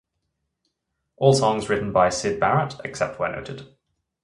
All songs written by Syd Barrett, except where noted.